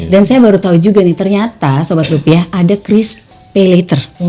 dan saya baru tahu juga nih ternyata sobat rupiah ada kris pay later